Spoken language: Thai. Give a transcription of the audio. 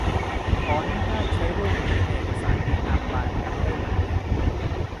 ขออนุญาตใช้รูปนี้ ในเอกสารแนะนำบาร์แคมป์ได้ไหม ?